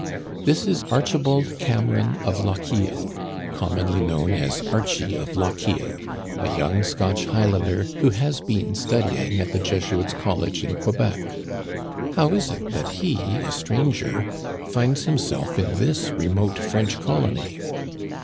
This is Archibald Cameron of Lochiel, com monly known as Archie of Lochiel, a young Scotch High lander who has been studying at the Jesuits' College in Quebec. How is it that he, a stranger, finds himself in this remote French colony?